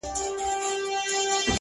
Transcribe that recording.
د برزخي ژوند دقيقې دې رانه کچي نه کړې!